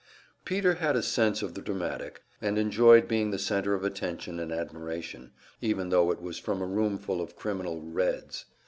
Peter had a sense of the dramatic, and enjoyed being the center of attention and admiration, even tho it was from a roomful of criminal "Reds."